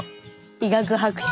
医学博士。